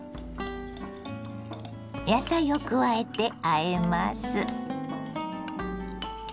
野菜を加えてあえます。